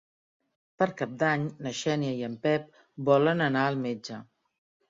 Per Cap d'Any na Xènia i en Pep volen anar al metge.